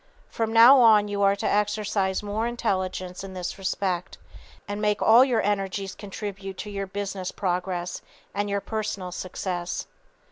From now on you are to exercise more intelligence in this respect and make all your energies contribute to your business progress and your personal success.